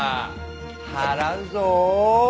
払うぞ！